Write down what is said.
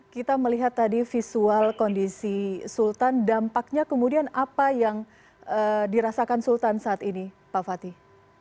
kita melihat tadi visual kondisi sultan dampaknya kemudian apa yang dirasakan sultan saat ini pak fatih